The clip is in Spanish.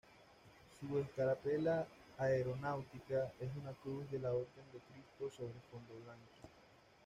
Su escarapela aeronáutica es una Cruz de la Orden de Cristo sobre fondo blanco.